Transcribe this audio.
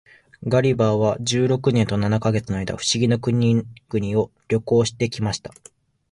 ガリバーは十六年と七ヵ月の間、不思議な国々を旅行して来ました。